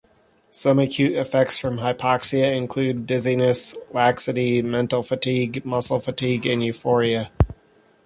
Some acute effects from hypoxia include: dizziness, laxity, mental fatigue, muscle fatigue and euphoria.